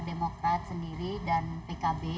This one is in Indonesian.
demokrat sendiri dan pkb